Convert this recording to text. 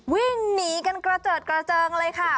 วิ่งหนีกันกระเจิดกระเจิงเลยค่ะ